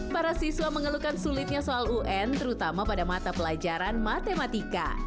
para siswa mengeluhkan sulitnya soal un terutama pada mata pelajaran matematika